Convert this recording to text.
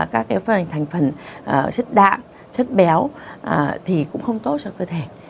các thành phần chất đạm chất béo thì cũng không tốt cho cơ thể